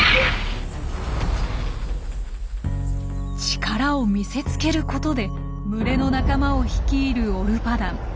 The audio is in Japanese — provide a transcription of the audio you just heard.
力を見せつけることで群れの仲間を率いるオルパダン。